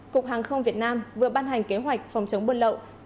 cục hàng không việt nam vừa ban hành kế hoạch phòng chống buôn lậu